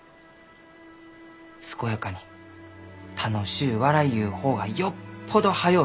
健やかに楽しゅう笑いゆう方がよっぽど速う